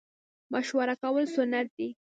مشوره کول سنت دي